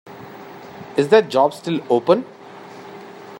Is that job still open?